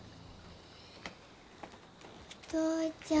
お父ちゃん。